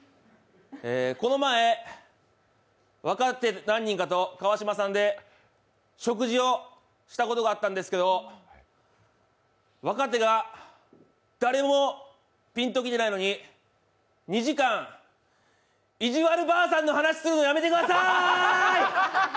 この前、若手何人かと川島さんで食事をしたことがあったんですけど若手が誰もピンと来ていないのに２時間、「いじわるばあさん」の話するのやめてください。